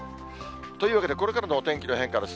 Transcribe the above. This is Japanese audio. というわけで、これからのお天気の変化です。